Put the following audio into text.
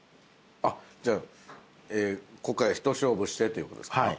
あっじゃあ一勝負してっていうことですか？